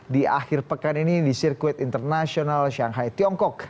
di akhir pekan ini di sirkuit internasional shanghai tiongkok